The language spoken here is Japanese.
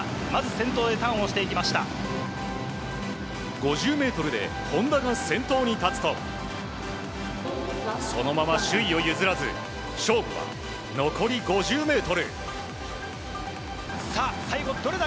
５０ｍで本多が先頭に立つとそのまま、首位を譲らず勝負は残り５０ｍ。